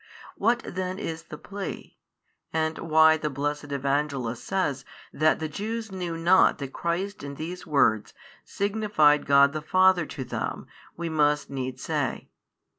What then is the plea, and why the blessed Evangelist says that the Jews knew not that Christ in these words signified God the Father to them, we must needs say.